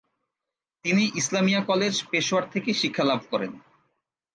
তিনি ইসলামিয়া কলেজ, পেশোয়ার থেকে শিক্ষা লাভ করেন।